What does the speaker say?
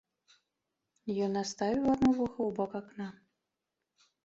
Ён наставіў адно вуха ў бок акна.